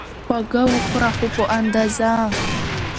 خواږه وخوره، خو په اندازه